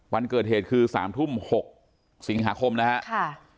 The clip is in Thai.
วันเกิดเหตุคือสามทุ่มหกสิงหาคมนะฮะค่ะ